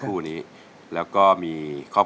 สวัสดีครับ